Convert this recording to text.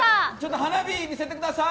花火見せてください！